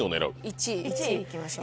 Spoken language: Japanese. １位いきましょう。